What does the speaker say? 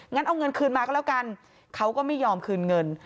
งั้นเอาเงินคืนมาก็แล้วกันเขาก็ไม่ยอมคืนเงิน